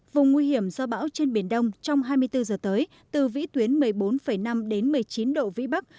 vùng nguy hiểm do bão trên biển đông trong hai mươi bốn giờ tới từ vĩ tuyến một mươi bốn năm đến một mươi chín độ vĩ bắc